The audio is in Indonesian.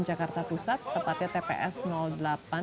jangan lupa untuk berlangganan jokowi di jalan veteran